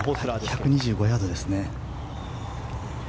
１２５ヤードですね。